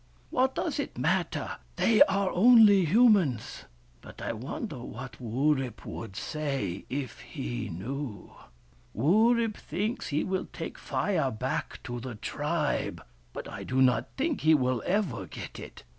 " What does it matter ? They are only humans. But I wonder what Wurip would say, if he knew." " Wurip thinks he will take Fire back to the tribe. But I do not think he will ever get it.